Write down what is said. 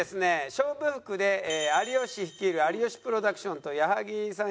勝負服で有吉率いる有吉プロダクションと矢作さん